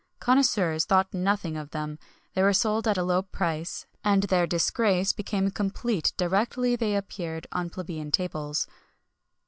Connoisseurs thought nothing of them;[XXI 71] they were sold at a low price, and their disgrace became complete directly they appeared on plebeian tables.